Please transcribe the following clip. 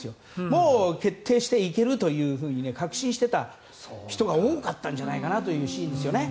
もう決定して、行けると確信していた人が多かったんじゃないかなというシーンですよね。